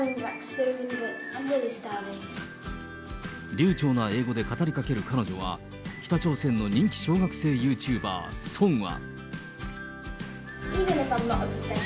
流ちょうな英語で語りかける彼女は、北朝鮮の人気小学生ユーチューバー、ソンア。